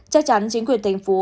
chắc chắn chính quyền thành phố